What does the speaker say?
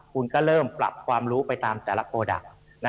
คุณก็เริ่มปรับความรู้ไปตามแต่ละโปรดักต์